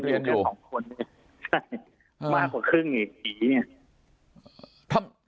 ใช่มากกว่าครึ่งผี